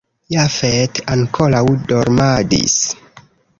Jafet ankoraŭ dormadis.